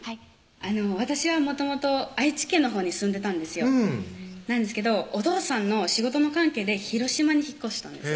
私はもともと愛知県のほうに住んでたんですよなんですけどお父さんの仕事の関係で広島に引っ越したんです